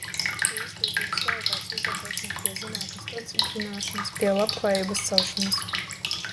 Pie izglītības kvalitātes uzlabošanas, pie zinātnes nostiprināšanas, pie labklājības celšanas.